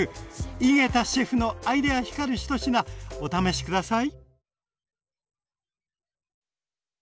井桁シェフのアイデア光る一品お試しください。